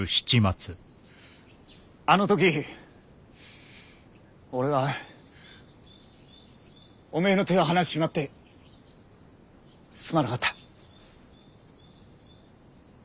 あの時俺はおめえの手を離しちまってすまなかった。